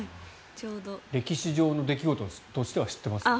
歴史上の出来事としては知っていますか？